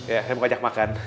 ya saya mau ajak makan